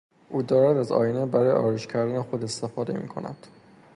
او دارد از آینه برای آرایش کردن خود استفاده میکند.